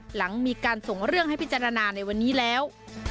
หลังมีการส่งเรื่องให้พิจารณาในวันนี้แล้ว